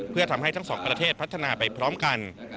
เพื่อทำให้ทั้งสองประเทศพัฒนาไปพร้อมกัน